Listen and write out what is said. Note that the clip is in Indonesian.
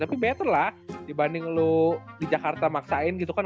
tapi better lah dibanding lu di jakarta maksain gitu kan